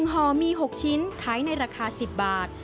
ห่อมี๖ชิ้นขายในราคา๑๐บาท